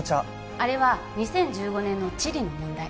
あれは２０１５年の地理の問題